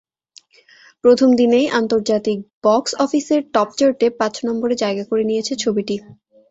প্রথম দিনেই আন্তর্জাতিক বক্স অফিসের টপচার্টে পাঁচ নম্বরে জায়গা করে নিয়েছে ছবিটি।